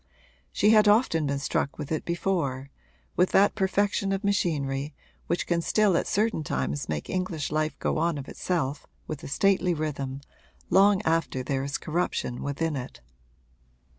She had often been struck with it before with that perfection of machinery which can still at certain times make English life go on of itself with a stately rhythm long after there is corruption within it.